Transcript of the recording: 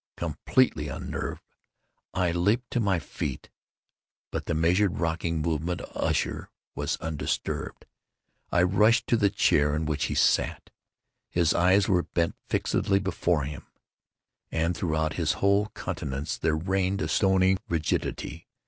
Completely unnerved, I leaped to my feet; but the measured rocking movement of Usher was undisturbed. I rushed to the chair in which he sat. His eyes were bent fixedly before him, and throughout his whole countenance there reigned a stony rigidity.